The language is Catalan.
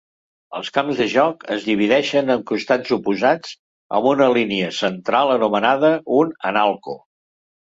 Els camps de joc es divideixen en costats oposats, amb una línia central anomenada un "analco".